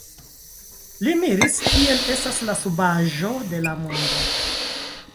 Li miris kiel estas la subaĵo de la mondo.